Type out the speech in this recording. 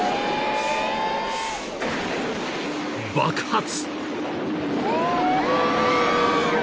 ［爆発］